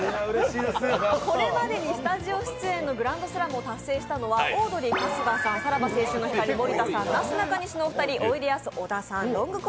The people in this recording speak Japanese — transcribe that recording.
これまでにスタジオ出演のグランドスラムを達成したのはオードリー・春日さん、さらば青春の光・森田さん、なすなかにしさん、おいでやす小田さん